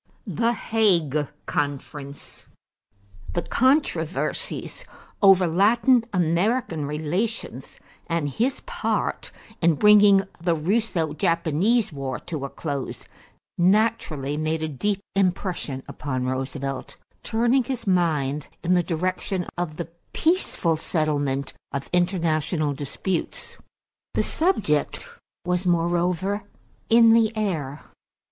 =The Hague Conference.= The controversies over Latin American relations and his part in bringing the Russo Japanese War to a close naturally made a deep impression upon Roosevelt, turning his mind in the direction of the peaceful settlement of international disputes. The subject was moreover in the air.